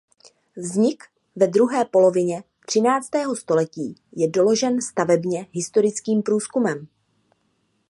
Vznik ve druhé polovině třináctého století je doložen stavebně historickým průzkumem.